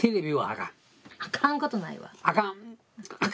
あかんことないよ。